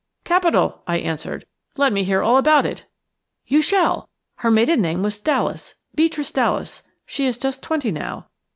"Capital," I answered. "Let me hear all about it." "You shall. Her maiden name was Dallas; Beatrice Dallas. She is just twenty now.